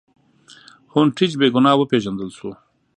هونټریج بې ګناه وپېژندل شو.